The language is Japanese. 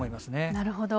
なるほど。